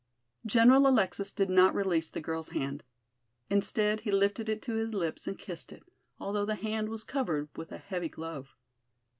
General Alexis did not release the girl's hand. Instead he lifted it to his lips and kissed it, although the hand was covered with a heavy glove.